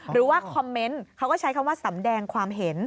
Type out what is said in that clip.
หรือว่าคอมเมนต์เขาก็ใช้คำว่าสำแดงความเห็น